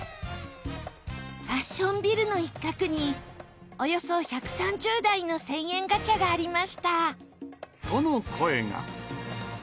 「ファッションビルの一角におよそ１３０台の１０００円ガチャがありました」。との声が。